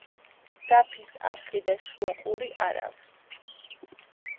დაფის აპკი და შუა ყური არ აქვს.